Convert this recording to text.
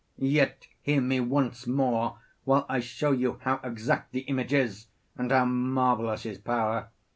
Yet hear me once more while I show you how exact the image is, and how marvellous his power.